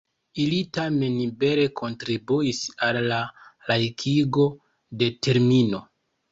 Ili tamen bele kontribuis al la laikigo de termino.